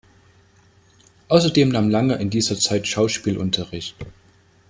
Außerdem nahm Langer in dieser Zeit Schauspielunterricht.